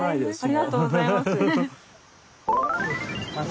ありがとうございます。